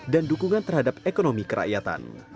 dukungan terhadap ekonomi kerakyatan